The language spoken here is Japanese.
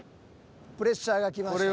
プレッシャーがきました。